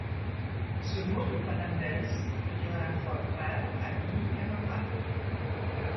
Ce mot de fanandels veut dire à la fois frères, amis, camarades.